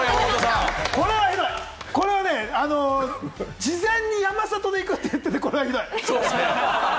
これはね、事前に山里で行くって言ってて、これはひどい！